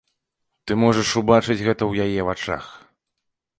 Ты можаш убачыць гэта ў яе вачах.